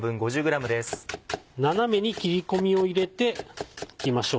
斜めに切り込みを入れていきましょう。